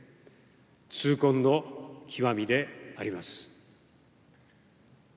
痛恨の極みであります。